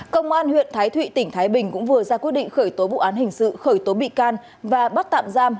công an huyện thái thụy tỉnh thái bình cũng vừa ra quyết định khởi tố vụ án hình sự khởi tố bị can và bắt tạm giam